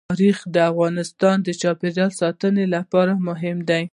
تاریخ د افغانستان د چاپیریال ساتنې لپاره مهم دي.